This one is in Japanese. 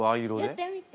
やってみて。